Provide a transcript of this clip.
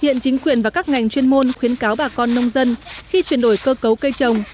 hiện chính quyền và các ngành chuyên môn khuyến cáo bà con nông dân khi chuyển đổi cơ cấu cây trồng